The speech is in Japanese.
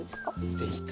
できた。